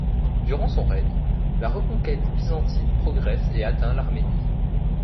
Durant son règne, la reconquête byzantine progresse et atteint l'Arménie.